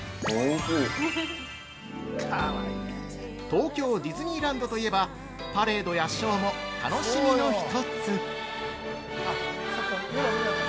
◆東京ディズニーランドといえばパレードやショーも楽しみの一つ。